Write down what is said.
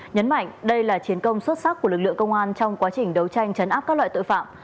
nhấn mạnh đây là chiến công xuất sắc của lực lượng công an trong quá trình đấu tranh chấn áp các loại tội phạm